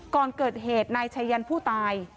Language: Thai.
ก่อนเกิดเหตุนายชายันผู้ตาย